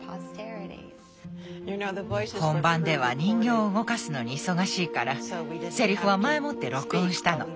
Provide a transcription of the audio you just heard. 本番では人形を動かすのに忙しいからセリフは前もって録音したの。